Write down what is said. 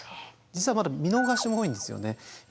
実はまだ見逃しも多いんですよね。